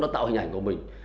đó tạo hình ảnh của mình